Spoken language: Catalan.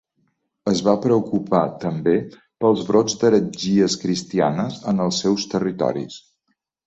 Es va preocupar també pels brots d'heretgies cristianes en els seus territoris.